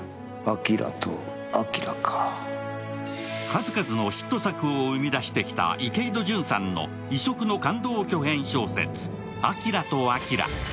数々のヒット作を生み出してきた池井戸潤さんの異色の感動巨編小説「アキラとあきら」。